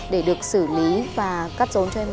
để được xử lý và cắt rốn cho em